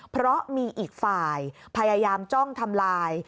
เพราะมีอีกฝ่ายพยายามจ้องทำลาย